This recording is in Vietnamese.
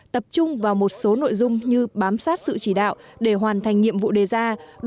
tập trung vào một số nội dung như bám sát sự chỉ đạo để hoàn thành nhiệm vụ đề ra